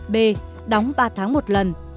b đóng ba tháng một lần